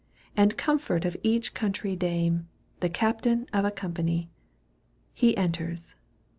And comfort of each country dame. The captain of a company. He enters.